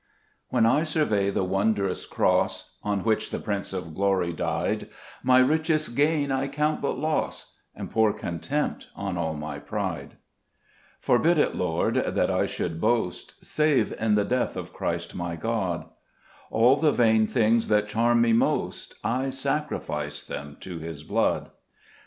WHEN I survey the wondrous cross On which the Prince of glory died, My richest gain I count but loss, And pour contempt on all my pride. 4 Zbe JBest Cburcb Ibvmns. 2 Forbid it, Lord, that I should boast, Save in the death of Christ my God : All the vain things that charm me most, I sacrifice them to His blood.